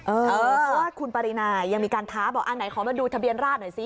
เพราะว่าคุณปรินายังมีการท้าบอกอันไหนขอมาดูทะเบียนราชหน่อยซิ